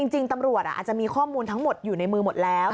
จริงตำรวจอาจจะมีข้อมูลทั้งหมดอยู่ในมือหมดแล้ว